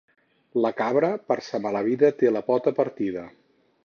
La cabra, per sa mala vida, té la pota partida.